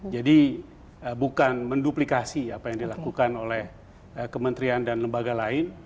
jadi bukan menduplikasi apa yang dilakukan oleh kementerian dan lembaga lain